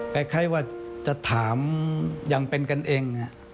คล้ายว่าจะถามยังเป็นกันเอง